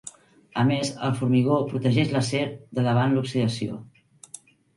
A més, el formigó protegeix l'acer de davant l'oxidació.